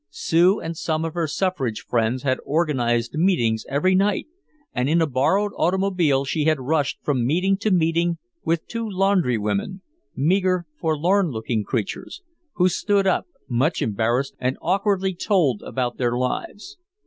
Sue and some of her suffrage friends had organized meetings every night, and in a borrowed automobile she had rushed from meeting to meeting with two laundry women, meager forlorn looking creatures who stood up much embarrassed and awkwardly told about their lives.